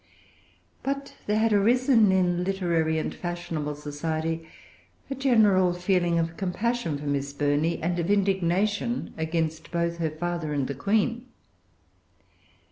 But there had arisen, in literary and fashionable society, a general feeling of compassion for Miss Burney, and of indignation against both her father and the Queen.